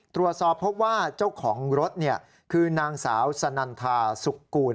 ตรวจสอบพบว่าเจ้าของรถคือนางสาวสนันทาสุกูล